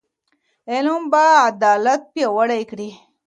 علم به عدالت پیاوړی کړي.